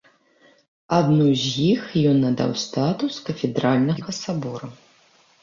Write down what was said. Адной з іх ён надаў статус кафедральнага сабора.